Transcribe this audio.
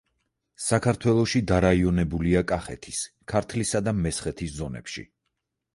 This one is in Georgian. საქართველოში დარაიონებულია კახეთის, ქართლისა და მესხეთის ზონებში.